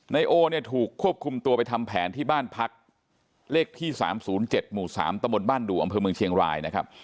นายโอเนี่ยถูกควบคุมตัวไปทำแผนที่บ้านพักเลขที่๓๐๗หมู่๓ตะบนบ้านดูอำเภอเมืองเชียงรายนะครับ